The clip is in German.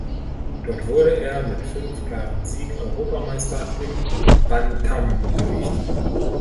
Dort wurde er mit fünf klaren Siegen Europameister im Bantamgewicht.